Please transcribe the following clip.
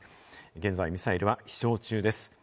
現在ミサイルは飛しょう中です。